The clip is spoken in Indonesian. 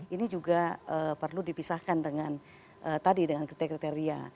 ini juga perlu dipisahkan dengan tadi dengan kriteria